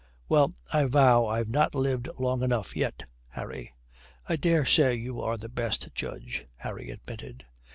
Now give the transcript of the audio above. Well, I vow I've not lived long enough yet, Harry." "I dare say you are the best judge," Harry admitted.